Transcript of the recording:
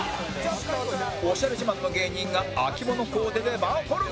オシャレ自慢の芸人が秋物コーデでバトル！